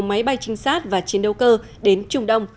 máy bay trinh sát và chiến đấu cơ đến trung đông